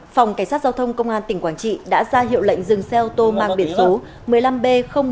phòng cảnh sát giao thông công an tỉnh quảng trị đã ra hiệu lệnh dừng xe ô tô mang biển số một mươi năm b một nghìn ba trăm ba mươi tám